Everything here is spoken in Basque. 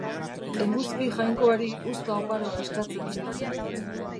Eguzki jainkoari uzta oparoa eskatzen zioten.